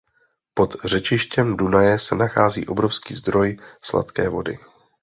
Pod řečištěm Dunaje se nachází obrovský zdroj sladké vody.